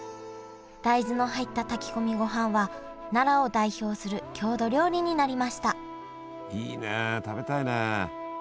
大豆の入った炊き込みごはんは奈良を代表する郷土料理になりましたいいねえ食べたいね。